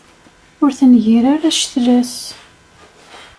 Ur tengir ara ccetla-s.